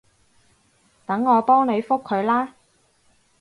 等我幫你覆佢啦